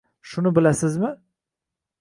Shuni bilasizmi?